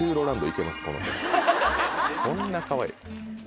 こんなかわいい。